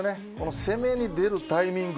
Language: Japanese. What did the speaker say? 攻めに出るタイミング。